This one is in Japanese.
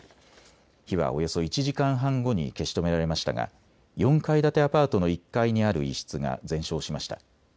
火はおよそ１時間半後に消し止められましたが４階建てアパートの１階にある一室が全焼しました。